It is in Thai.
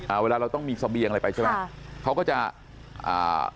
เวลาเราต้องมีเสบียงอะไรไปใช่ไหมค่ะเขาก็จะอ่า